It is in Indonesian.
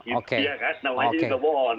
ya kan nah masih kebohongan